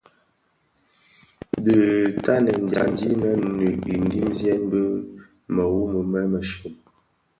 Dhi ntanen dyandi di nud ndhemziyèn bi mëwoni më mëshyom.